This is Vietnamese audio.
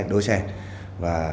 đối xe và